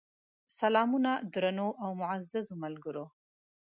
سلامونه درنو او معزز ملګرو!